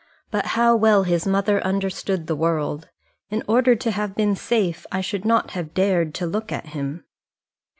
But how well his mother understood the world! In order to have been safe, I should not have dared to look at him."